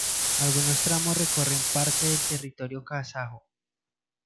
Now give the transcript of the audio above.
Algunos tramos recorren parte del territorio kazajo.